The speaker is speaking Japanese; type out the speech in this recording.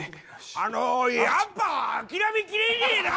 あのやっぱ諦めきれねえな！